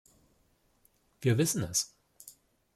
Wir wissen es.